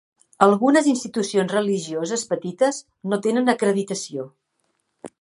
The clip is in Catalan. Algunes institucions religioses petites no tenen acreditació.